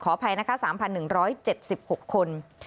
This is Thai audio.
อภัยนะคะ๓๑๗๖คน